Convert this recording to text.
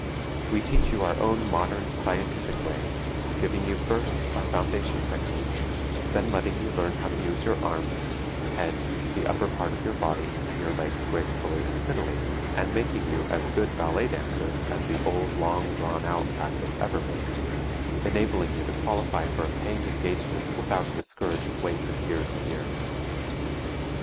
We teach you our own modern, scientific way, giving you first our foundation technique, then letting you learn how to use your arms, head, the upper part of your body and your legs gracefully and prettily, and making you as good ballet dancers as the old long drawn out practice ever made, enabling you to qualify for a paying engagement without a discouraging wait of years and years.